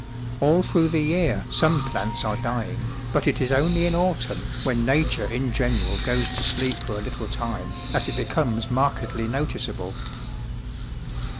All through the year some plants are dying, but it is only in autumn, when Nature in general goes to sleep for a 1 itle time, that it becomes markedly noticeable.